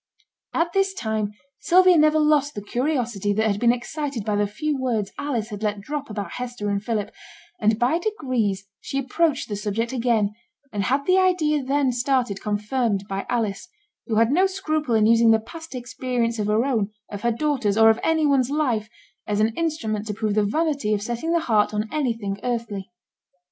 All this time Sylvia never lost the curiosity that had been excited by the few words Alice had let drop about Hester and Philip, and by degrees she approached the subject again, and had the idea then started confirmed by Alice, who had no scruple in using the past experience of her own, of her daughter's, or of any one's life, as an instrument to prove the vanity of setting the heart on anything earthly.